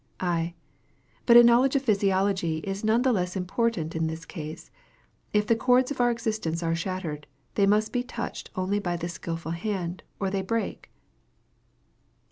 I. But a knowledge of Physiology is none the less important in this case. If the chords of our existence are shattered, they must be touched only by the skilful hand, or they break.